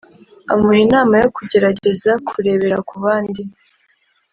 Amuha inama yo kugerageza kurebera kubandi